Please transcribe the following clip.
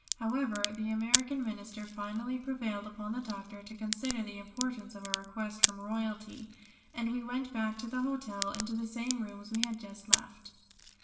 However, the American Minister finally prevailed upon the Doctor to consider the importance of a request from royalty, and we went back to the hotel into the same rooms we had just left.